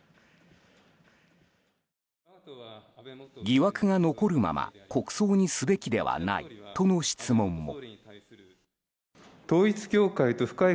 疑惑が残るまま、国葬にすべきではないとの質問も。